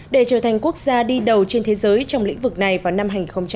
để trở thành quốc gia đi đầu trên thế giới trong lĩnh vực này vào năm hai nghìn ba mươi